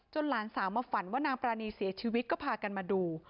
หลานสาวมาฝันว่านางปรานีเสียชีวิตก็พากันมาดู